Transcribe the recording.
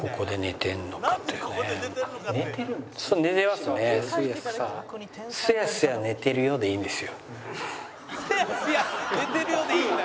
「“すやすやねてるよ”でいいんだよ」